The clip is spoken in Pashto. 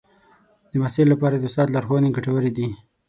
د محصل لپاره د استاد لارښوونې ګټورې دي.